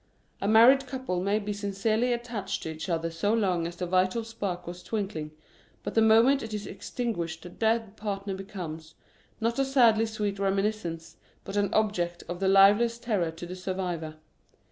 A married couple may have been sincerely attached to each other so long as the vital spark was twinkling, but the moment it is extinguished the dead partner becomes, not a sadly sweet reminiscence, but an object of the liveliest terror to the survivor.